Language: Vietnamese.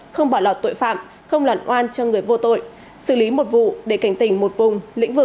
không bỏ lọt tội phạm không lản oan cho người vô tội xử lý một vụ để cảnh tỉnh một vùng lĩnh vực